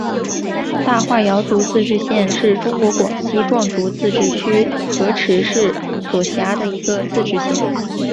大化瑶族自治县是中国广西壮族自治区河池市所辖的一个自治县。